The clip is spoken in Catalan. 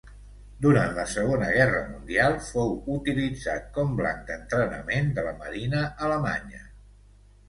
Durant la Segona Guerra Mundial fou utilitzat com blanc d'entrenament de la Marina alemanya.